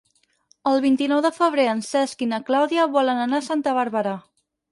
El vint-i-nou de febrer en Cesc i na Clàudia volen anar a Santa Bàrbara.